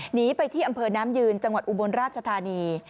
หนีไปที่อำเภอน้ำยืนจังหวัดอุบลราชธานี